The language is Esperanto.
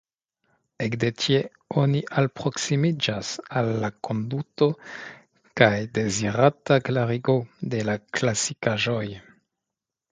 Ekde tie oni alproksimiĝas al la konduto kaj dezirata klarigo de la klasikaĵoj.